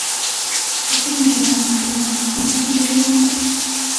Ojos moderadamente grandes con pupila redonda.